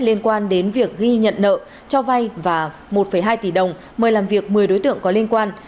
liên quan đến việc ghi nhận nợ cho vay và một hai tỷ đồng mời làm việc một mươi đối tượng có liên quan